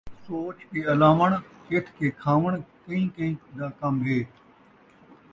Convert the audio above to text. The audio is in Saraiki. سوچ کے الاوݨ چِتھ کے کھاوݨ کئیں کئیں دا کم ہے